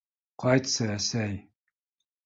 Ҡайтсы, әсәй!